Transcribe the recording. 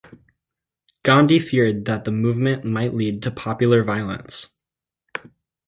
Gandhi feared that the movement might lead to popular violence.